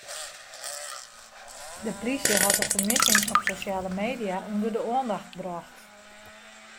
De plysje hat de fermissing op sosjale media ûnder de oandacht brocht.